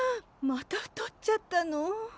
また太っちゃったの！？